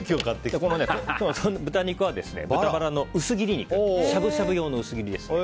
豚肉は、豚バラの薄切り肉しゃぶしゃぶ用の薄切りです。